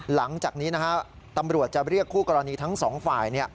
หลังจากนี้นะฮะตำรวจจะเรียกคู่กรณีทั้งสองฝ่าย